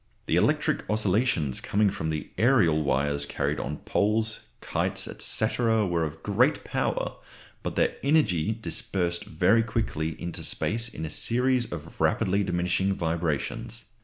The electric oscillations coming from the aerial wires carried on poles, kites, &c., were of great power, but their energy dispersed very quickly into space in a series of rapidly diminishing vibrations.